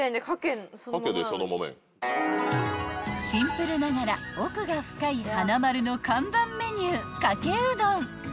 ［シンプルながら奥が深いはなまるの看板メニュー］